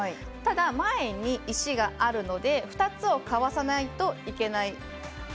ただ、前に石があるので２つをかわさないといけない。